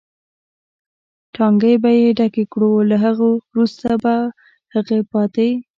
ټانکۍ به یې ډکې کړو، له هغه وروسته به هغه پاتې.